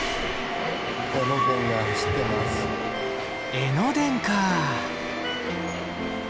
江ノ電かあ。